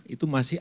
itu masih ada